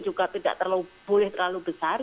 juga tidak boleh terlalu besar